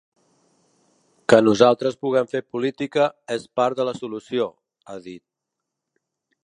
Que nosaltres puguem fer política és part de la solució, ha dit.